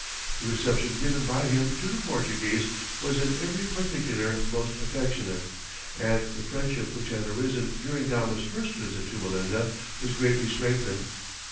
The reception given by him to the Portuguese was in every particular most affectionate, and the friendship which had arisen during Gama's first visit to Melinda was greatly strengthened.